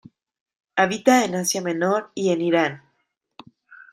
Habita en Asia Menor y en Irán.